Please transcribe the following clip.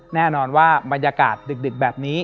แน่นอนว่าบรรยากาศดึกแบบนี้